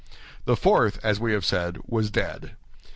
The fourth, as we have said, was dead.